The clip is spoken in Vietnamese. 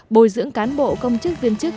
bồi dưỡng cán bộ công chức viên chức